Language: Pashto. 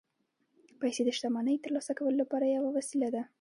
پیسې د شتمنۍ ترلاسه کولو لپاره یوه وسیله ده